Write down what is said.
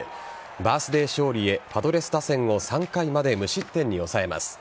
バースデー勝利へパドレス打線を３回まで無失点に抑えます。